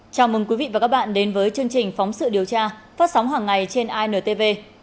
chào mừng quý vị và các bạn đến với chương trình phóng sự điều tra phát sóng hàng ngày trên intv